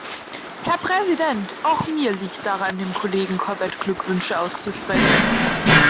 Herr Präsident! Auch mir liegt daran, dem Kollegen Corbett Glückwünsche auszusprechen.